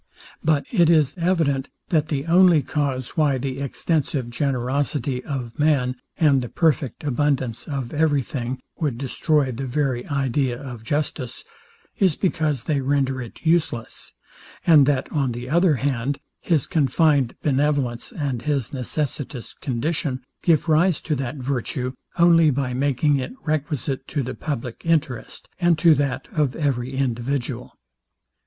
But it is evident, that the only cause, why the extensive generosity of man, and the perfect abundance of every thing, would destroy the very idea of justice, is because they render it useless; and that, on the other hand, his confined benevolence, and his necessitous condition, give rise to that virtue, only by making it requisite to the publick interest, and to that of every individual.